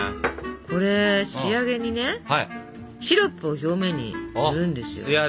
これ仕上げにねシロップを表面にぬるんですよ。